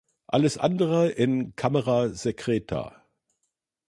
Alles andere in camera secreta.